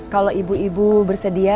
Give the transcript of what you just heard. kalau ibu ibu bersedia